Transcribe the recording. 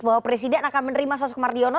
bahwa presiden akan menerima sosok mardiono